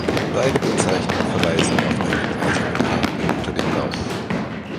Beide Bezeichnungen verweisen auf einen eisernen Haken unter dem Lauf.